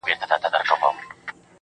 كله توري سي~